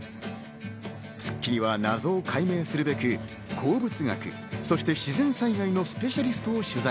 『スッキリ』は謎を解明するべく鉱物学、そして自然災害のスペシャリストを取材。